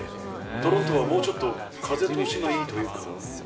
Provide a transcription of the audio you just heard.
トロントはもうちょっと、風通しがいいというか。